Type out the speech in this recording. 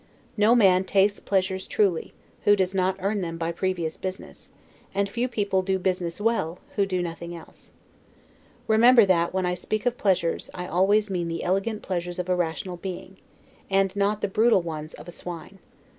No man tastes pleasures truly, who does not earn them by previous business, and few people do business well, who do nothing else. Remember that when I speak of pleasures, I always mean the elegant pleasures of a rational being, and, not the brutal ones of a swine.